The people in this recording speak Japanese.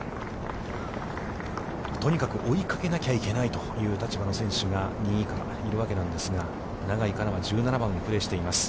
とにかく追いかけなきゃいけないという立場の選手が２位以下にいるわけなんですが、永井花奈は１７番をプレーしています。